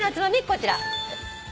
こちら。